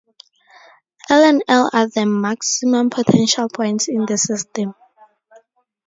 L and L are the maximum potential points in the system.